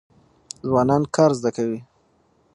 ځوانان کار زده کوي.